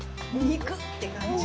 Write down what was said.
肉！って感じ。